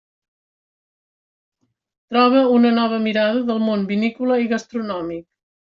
Troba una nova mirada del món vinícola i gastronòmic.